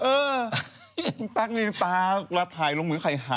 เออตั๊กมีตาละถ่ายลงมือไข่หา